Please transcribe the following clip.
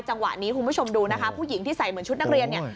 จังหวะนี้คุณผู้ชมดูนะคะผู้หญิงที่ใส่เหมือนชุดนักเรียนเนี่ย